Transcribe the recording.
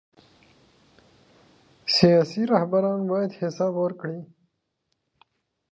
سیاسي رهبران باید حساب ورکړي